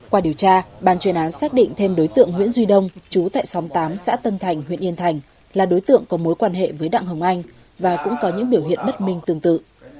qua điều tra ban chuyên án xác định thêm đối tượng nguyễn duy đông chú tại xóm tám xã tân thành huyện yên thành là đối tượng có mối quan hệ với đặng hồng anh và cũng có những biểu hiện bất minh tương tự